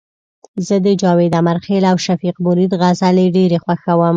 زه د جاوید امرخیل او شفیق مرید غزلي ډيري خوښوم